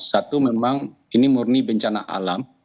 satu memang ini murni bencana alam